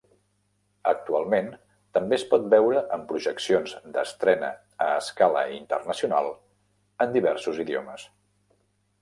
Actualment, també es pot veure en projeccions d'estrena a escala internacional en diversos idiomes.